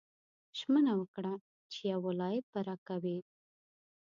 ژمنه وکړه چې یو ولایت به راکوې.